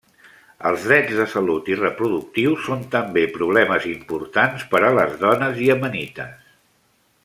Els drets de salut i reproductius són també problemes importants per a les dones iemenites.